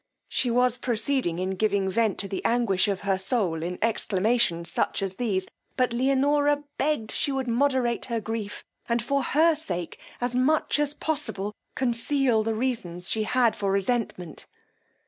She was proceeding in giving vent to the anguish of her soul in exclamations such as these; but Leonora begged she would moderate her grief, and for her sake, as much as possible, conceal the reasons she had for resentment.